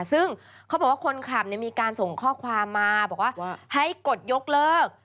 ซึ่งเขาบอกว่าคนขับมีการส่งข้อความมาบอกว่าให้กดยกเลิก